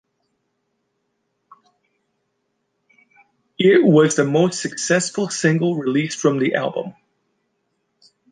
It was the most successful single released from the album.